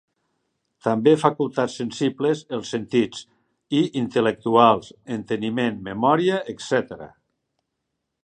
També facultats sensibles: els sentits; i intel·lectuals: enteniment, memòria, etcètera.